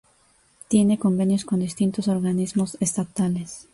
Tiene convenios con distintos organismos estatales.